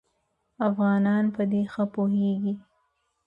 افغانان په دې ښه پوهېږي.